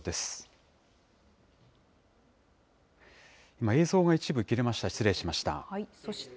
今、映像が一部切れました、失礼しました。